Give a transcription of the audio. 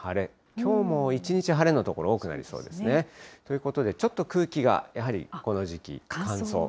きょうも一日、晴れの所が多くなりそうですね。ということで、ちょっと空気がやはりこの時期乾燥。